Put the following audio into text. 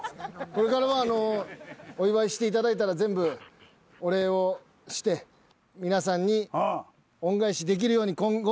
これからはお祝いしていただいたら全部お礼をして皆さんに恩返しできるように今後。